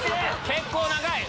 結構長い。